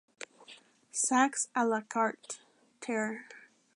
Sax ala Carter!